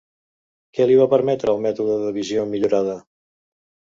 Què li va permetre el mètode de «visió millorada»?